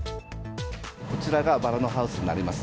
こちらがバラのハウスになります。